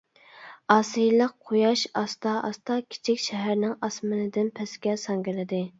ئاسىيلىق قۇياش ئاستا-ئاستا كىچىك شەھەرنىڭ ئاسمىنىدىن پەسكە ساڭگىلىدى.